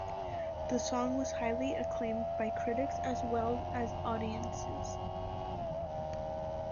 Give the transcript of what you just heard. The song was highly acclaimed by critics as well as audiences.